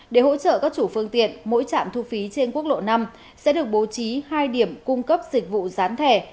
để hỗ trợ các chủ phương tiện mỗi trạm thu phí trên quốc lộ năm sẽ được bố trí hai điểm cung cấp dịch vụ dán thẻ